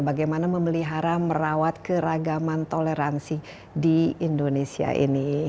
bagaimana memelihara merawat keragaman toleransi di indonesia ini